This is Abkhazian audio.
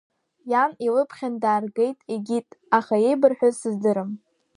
Иан илыԥхьан дааргеит, егьит, аха еибырҳәаз сыздырам.